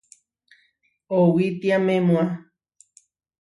Owítiamemua.